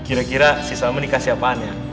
kira kira si salman dikasih apaan ya